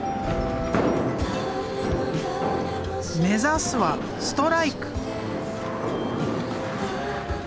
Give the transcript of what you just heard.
目指すはストライク。